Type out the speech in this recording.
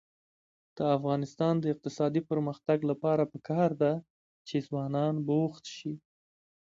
د افغانستان د اقتصادي پرمختګ لپاره پکار ده چې ځوانان بوخت شي.